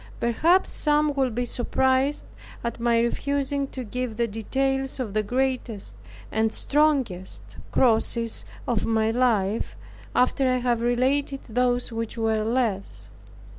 Perhaps some will be surprised at my refusing to give the details of the greatest and strongest crosses of my life, after I have related those which were less.